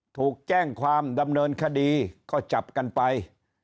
ถูกแจ้งความดำเนินคดีก็จับกันไป